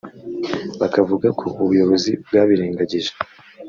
bakavuga ko ubuyobozi bwabirengagije